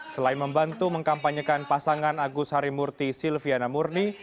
selain membantu mengkampanyekan pasangan agus harimurti silviana murni